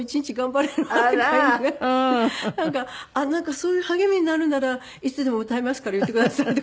「そういう励みになるならいつでも歌いますから言ってください」とか言って。